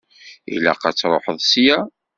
Ilaq ad truḥeḍ ssya.